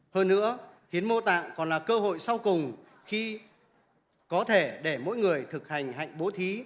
hơn nữa hiến mô tạng còn là cơ hội sau cùng khi có thể để mỗi người thực hành hạnh bố thí